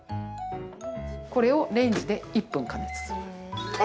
これをレンジで１分加熱する。